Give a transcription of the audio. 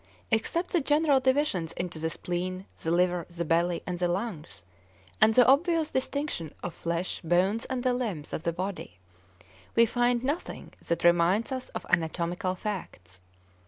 Except the general divisions into the spleen, the liver, the belly, and the lungs, and the obvious distinctions of flesh, bones, and the limbs of the body, we find nothing that reminds us of anatomical facts.